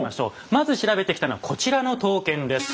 まず調べてきたのはこちらの刀剣です。